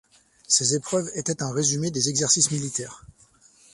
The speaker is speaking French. Ces épreuves étaient un résumé des exercices militaires.